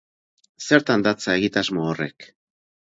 Zertan datza egitasmo horrek?